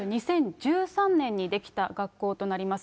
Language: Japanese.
２０１３年に出来た学校となります。